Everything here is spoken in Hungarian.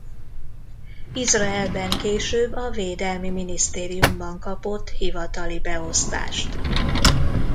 Izraelben később a Védelmi Minisztériumban kapott hivatali beosztást.